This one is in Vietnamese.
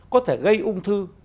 có thể gây ung thư